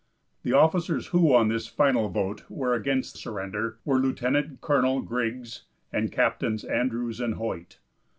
The officers who, on this final vote, were against surrender, were Lieutenant Colonel Griggs and Captains Andrews and Hoyt.